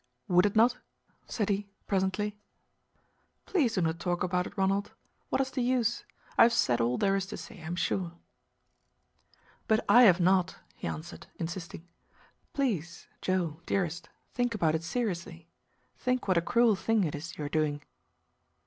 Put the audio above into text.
"Would it not?" said he presently. "Please do not talk about it, Ronald. What is the use? I have said all there is to say, I am sure." "But I have not," he answered, insisting. "Please, Joe dearest, think about it seriously. Think what a cruel thing it is you are doing."